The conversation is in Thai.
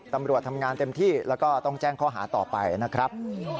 ตำรวจทำงานเต็มที่แล้วก็ต้องแจ้งข้อหาต่อไปนะครับ